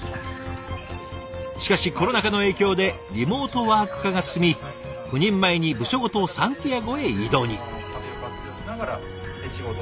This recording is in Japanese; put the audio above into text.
しかしコロナ禍の影響でリモートワーク化が進み赴任前に部署ごとサンティアゴへ異動に。